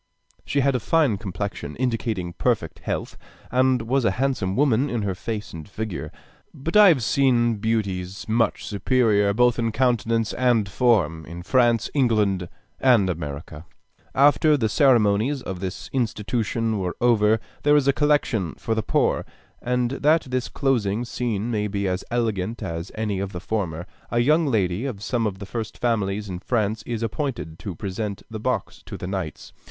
She had a fine complexion, indicating perfect health, and was a handsome woman in her face and figure. But I have seen beauties much superior, both in countenance and form, in France, England, and America. After the ceremonies of this institution are over, there is a collection for the poor; and that this closing scene may be as elegant as any of the former, a young lady of some of the first families in France is appointed to present the box to the knights.